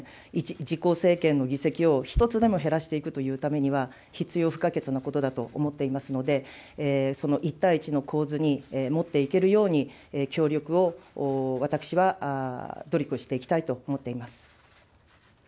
自公政権の議席を一つでも減らしていくというためには、必要不可欠なことだと思っていますので、その１対１の構図に持っていけるように、協力を私は努力をしていきたいと思っています。